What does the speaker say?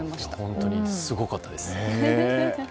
本当にすごかったです。